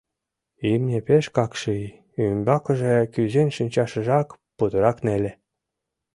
Имне пеш какши, ӱмбакыже кӱзен шинчашыжак путырак неле.